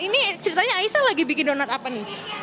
ini ceritanya aisyah lagi bikin donat apa nih